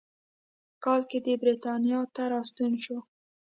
کال کې د برېټانیا ته راستون شو.